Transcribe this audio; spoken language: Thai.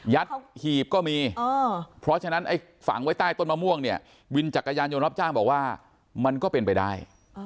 หีบก็มีเพราะฉะนั้นไอ้ฝังไว้ใต้ต้นมะม่วงเนี่ยวินจักรยานยนต์รับจ้างบอกว่ามันก็เป็นไปได้